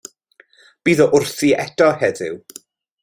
Bydd o wrthi eto heddiw.